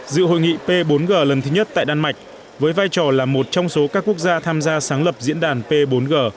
dự hội nghị p bốn g lần thứ nhất tại đan mạch với vai trò là một trong số các quốc gia tham gia sáng lập diễn đàn p bốn g